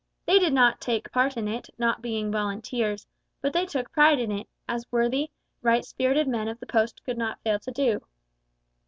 They did not take part in it, not being Volunteers, but they took pride in it, as worthy, right spirited men of the Post could not fail to do.